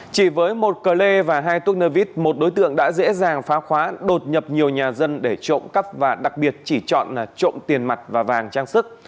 chỉ với một cờ lê và hai tuk nevid một đối tượng đã dễ dàng phá khóa đột nhập nhiều nhà dân để trộm cắp và đặc biệt chỉ chọn trộm tiền mặt và vàng trang sức